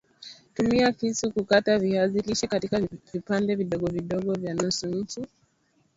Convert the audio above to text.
Tumia kisu kukata viazi lishe katika viapande vidogo vidogo vya nusu inchi